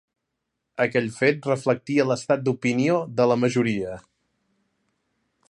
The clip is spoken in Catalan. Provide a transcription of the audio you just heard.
Aquell fet reflectia l'estat d'opinió de la majoria.